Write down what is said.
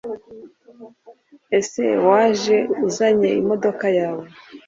Ese waje uzanye imodoka yawe